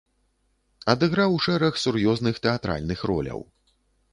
Адыграў шэраг сур'ёзных тэатральных роляў.